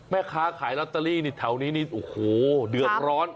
แม่ค้าขายลอตเตอรี่นี่แถวนี้นี่โอ้โหเดือดร้อน